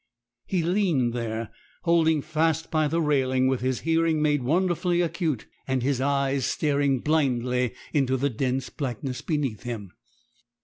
He leaned there, holding fast by the railing, with his hearing made wonderfully acute, and his eyes staring blindly into the dense blackness beneath him.